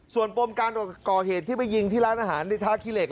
ส่วนปมการก่อเหตุที่ไปยิงที่ร้านอาหารในท่าขี้เหล็